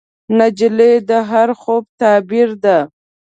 نجلۍ د هر خوب تعبیر ده.